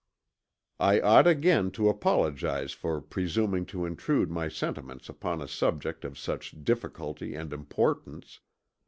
"I ought again to apologize for presuming to intrude my sentiments upon a subject of such difficulty and importance.